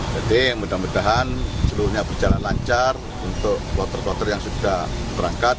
jadi mudah mudahan seluruhnya berjalan lancar untuk klotor klotor yang sudah berangkat